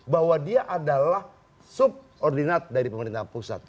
bahwa dia adalah subordinat dari pemerintah pusat